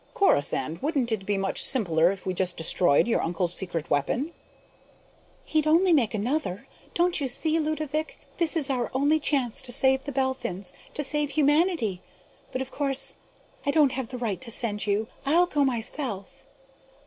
"Corisande, wouldn't it be much simpler if we just destroyed your uncle's secret weapon?" "He'd only make another. Don't you see, Ludovick, this is our only chance to save the Belphins, to save humanity.... But, of course, I don't have the right to send you. I'll go myself."